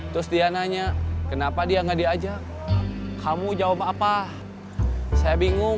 terus dia nanya kenapa dia nggak diajak kamu jawab apa saya bingung